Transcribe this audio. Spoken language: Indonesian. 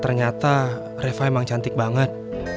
ternyata reva emang cantik banget